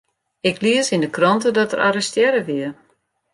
Ik lies yn 'e krante dat er arrestearre wie.